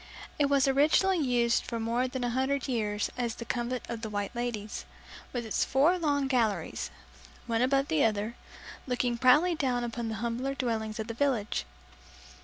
It was originally used for more than a hundred years as the convent of the "White Ladies", with its four long galleries, one above the other, looking proudly down upon the humbler dwellings of the village.